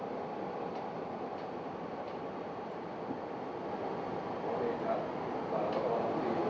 สวัสดีครับสวัสดีครับสวัสดีครับสวัสดีครับ